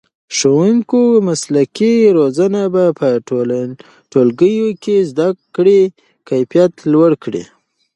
د ښوونکو مسلکي روزنه به په ټولګیو کې د زده کړې کیفیت لوړ کړي.